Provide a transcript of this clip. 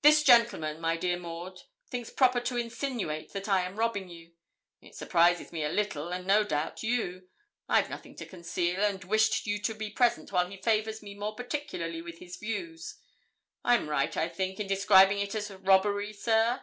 'This gentleman, my dear Maud, thinks proper to insinuate that I am robbing you. It surprises me a little, and, no doubt, you I've nothing to conceal, and wished you to be present while he favours me more particularly with his views. I'm right, I think, in describing it as robbery, sir?'